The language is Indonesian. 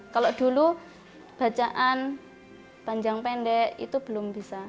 kalau dulu bacaan panjang pendek itu belum bisa